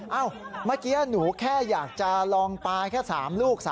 เมื่อกี้หนูแค่อยากจะลองปลาแค่๓ลูก